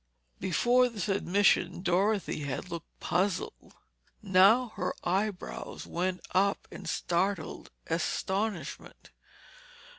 Before this admission Dorothy had looked puzzled. Now her eyebrows went up in startled astonishment.